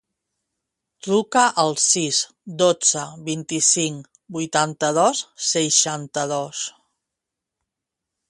Truca al sis, dotze, vint-i-cinc, vuitanta-dos, seixanta-dos.